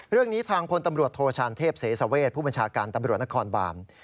เรื่องนี้ทางพลตำรวจโทชานเทพเสสเวชผู้บัญชาการตำรวจนครบาน